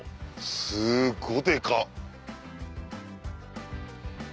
すっごでか！